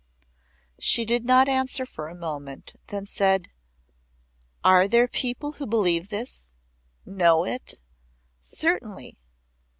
She did not answer for a moment; then said; "Are there people who believe this know it?" "Certainly.